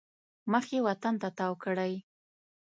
مخ یې وطن ته تاو کړی.